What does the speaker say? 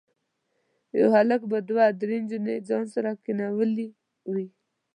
یو هلک به دوه درې نجونې ځان سره کېنولي وي.